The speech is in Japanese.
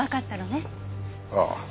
ああ。